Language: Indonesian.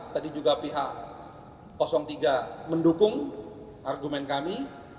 tadi juga pihak tiga mendukung argumen kami